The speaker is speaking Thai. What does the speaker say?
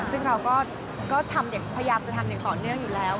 ซึ่งเราก็พยายามจะทำอย่างต่อเนื่องอยู่แล้ว